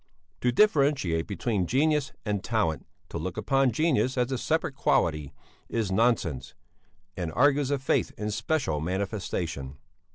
"'To differentiate between genius and talent, to look upon genius as a separate quality, is nonsense, and argues a faith in special manifestation.